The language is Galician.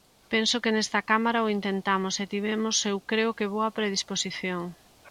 Penso que nesta Cámara o intentamos, e tivemos eu creo que boa predisposición.